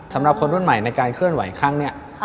สำหรับคนรุ่นใหม่ในการเคลื่อนไหวครั้งนี้